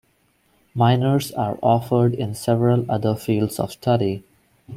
Minors are offered in several other fields of study.